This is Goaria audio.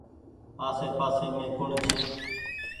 آسي پآسي مين ڪوڻ ڇي۔